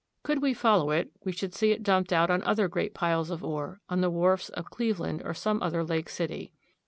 Could we follow it we should see it dumped out on other great piles of ore, on the wharves of Cleveland or some other lake city.